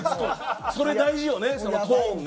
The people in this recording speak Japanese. それ大事よ、トーンね。